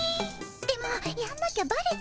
でもやんなきゃバレちゃう。